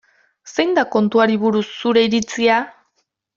Zein da kontuari buruz zure iritzia?